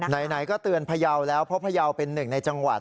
ไหนก็เตือนพระเยาไหร่เพราะพระเยาไหร่เป็น๑ในจังหวัด